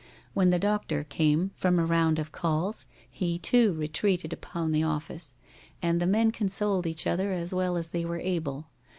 When the doctor came from a round of calls, he too retreated upon the office, and the men consoled each other as well as they were able.